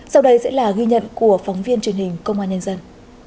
sau đây sẽ là ghi nhận của phóng viên truyền hình công an nhân dân